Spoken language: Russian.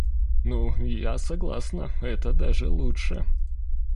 Ну, я согласна, это даже лучше.